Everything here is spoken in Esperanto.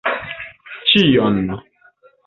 Ĉion!